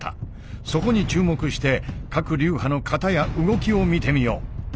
そこに注目して各流派の型や動きを見てみよう。